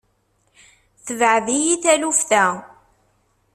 Tebɛed-iyi taluft-a.